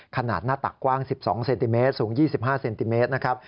ขนาดหน้าตักกว้าง๑๒เซนติเมตรสูง๒๕เซนติเมตรนะครับ